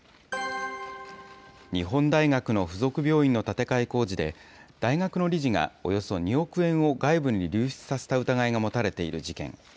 日本大学の付属病院の建て替え工事で、大学の理事がおよそ２億円を外部に流出させた疑いが持たれている事件。